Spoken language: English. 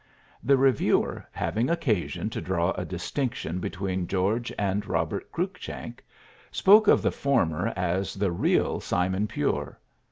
The reviewer, having occasion to draw a distinction between George and Robert Cruikshank, spoke of the former as the real Simon Pure.